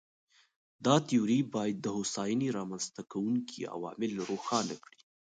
دا تیوري باید د هوساینې رامنځته کوونکي عوامل روښانه کړي.